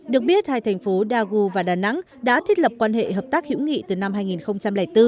được biết hai thành phố dagu và đà nẵng đã thiết lập quan hệ hợp tác hữu nghị từ năm hai nghìn bốn